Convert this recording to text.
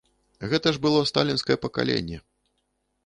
Гэта ж было сталінскае пакаленне.